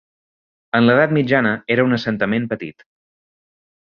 En l'edat mitjana era un assentament petit.